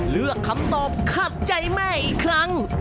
เลือกคำตอบขัดใจแม่อีกครั้ง